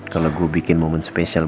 kalau gue bikin momen spesial